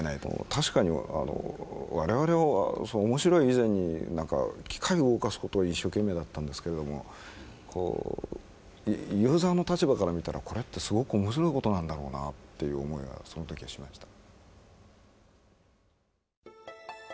確かに我々は面白い以前に機械を動かすことは一生懸命だったんですけどもユーザーの立場から見たらこれってすごく面白いことなんだろうなという思いがその時はしました。